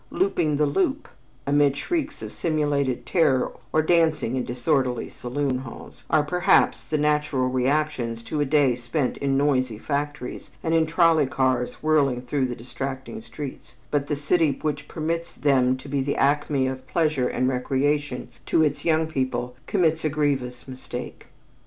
"Looping the loop" amid shrieks of simulated terror or dancing in disorderly saloon halls, are perhaps the natural reactions to a day spent in noisy factories and in trolley cars whirling through the distracting streets, but the city which permits them to be the acme of pleasure and recreation to its young people, commits a grievous mistake.